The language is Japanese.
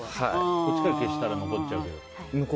こっちから消したら残っちゃうけど。